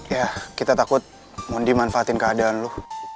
yah kita takut mondi manfaatin keadaan lu